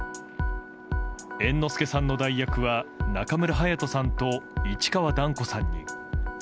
猿之助さんの代役は中村隼人さんと市川團子さんに。